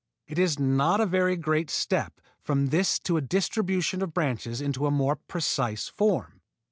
It is not a very great step from this to a distribution of the branches into a more precise form.